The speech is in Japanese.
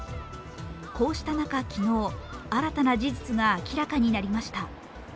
こうした中、昨日新たな事実が明らかになりました。